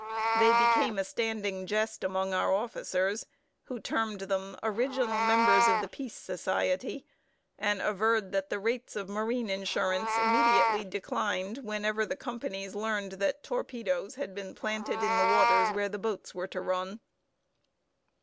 They became a standing jest among our officers, who termed them original members of the Peace Society, and averred that the rates of marine insurance immediately declined whenever the companies learned that torpedoes had been planted in the waters where the boats were to run!